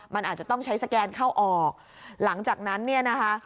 มันอาจจะต้องใช้สแกนเข้าออกหลังจากนั้นเนี่ยนะคะ